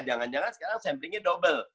jangan jangan sekarang samplingnya double